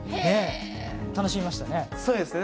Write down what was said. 楽しみましたね。